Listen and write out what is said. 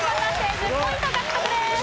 １０ポイント獲得です。